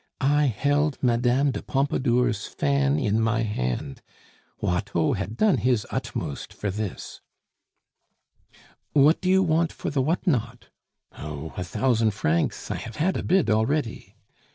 I held Mme. de Pompadour's fan in my hand! Watteau had done his utmost for this. 'What do you want for the what not?' 'Oh! a thousand francs; I have had a bid already.